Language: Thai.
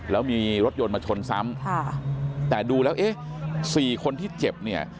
แล้วมีรถยนต์มาชนซ้ำค่ะแต่ดูแล้วเอ๊ะสี่คนที่เจ็บเนี่ย